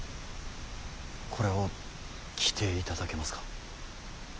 これを着ていただけますか。